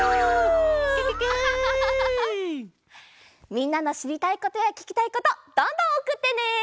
みんなのしりたいことやききたいことどんどんおくってね！